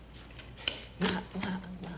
まあまあまあ。